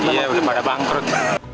iya pada bangkrut